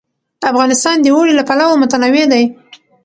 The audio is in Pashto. افغانستان د اوړي له پلوه متنوع دی.